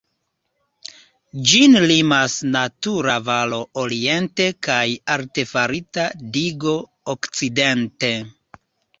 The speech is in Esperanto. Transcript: Ĝin limas natura valo oriente kaj artefarita digo okcidente.